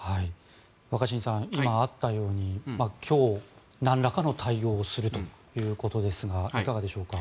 若新さん今あったように今日、なんらかの対応をするということですがいかがでしょうか。